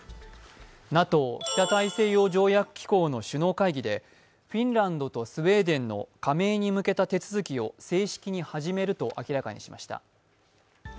ＮＡＴＯ＝北大西洋条約機構の首脳会議でフィンランドとスウェーデンの加盟に向けた手続きを正式に始めると明らかにしました。